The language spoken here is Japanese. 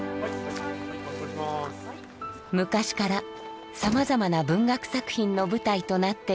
昔からさまざまな文学作品の舞台となってきた伊豆。